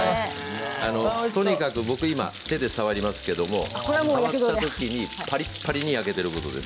僕は手で触りますけれども触ったときにパリパリに焼けていることです。